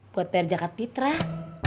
buat bayar jakat fitrah